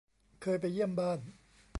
เคยไปเยี่ยมบ้าน